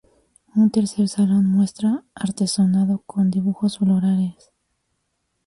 Un tercer salón muestra artesonado con dibujos florales.